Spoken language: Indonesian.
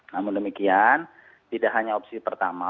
namun demikian tidak hanya opsi pertama